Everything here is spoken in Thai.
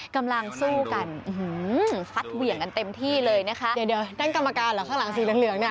กำลังสู้กันฟัดเหวี่ยงกันเต็มที่เลยนะคะเดี๋ยวเดี๋ยวท่านกรรมการเหรอข้างหลังสีเหลืองเหลืองเนี่ย